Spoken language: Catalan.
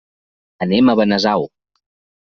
Anem a Benasau.